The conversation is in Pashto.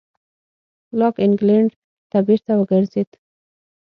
لاک انګلېنډ ته بېرته وګرځېد.